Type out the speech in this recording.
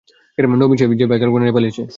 নবীন সেই, যে বাইক আর গয়না নিয়ে পালিয়েছে।